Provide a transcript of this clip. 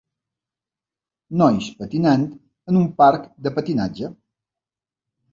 Nois patinant en un parc de patinatge.